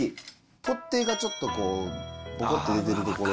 取っ手がちょっとボコって出てるところ。